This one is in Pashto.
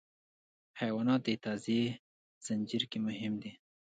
حیوانات د تغذیې زنجیر کې مهم دي.